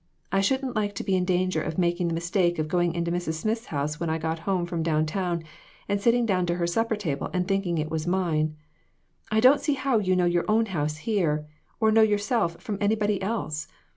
I shouldn't like to be in danger of making the mistake of going into Mrs. Smith's when I got home from down town, and sitting down to her supper table and thinking it was mine. I don't see how you know your own house here, or know yourself from anybody else.